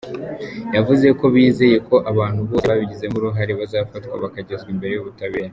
Yavuze ko bizeye ko abantu bose babigizemo uruhare bazafatwa bakagezwa imbere y’ubutabera.